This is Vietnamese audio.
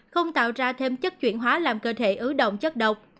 không tạo ra thêm chất chuyển hóa làm cơ thể ứ động chất độc